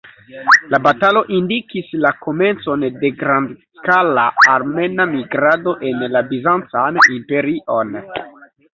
La batalo indikis la komencon de grandskala armena migrado en la Bizancan Imperion.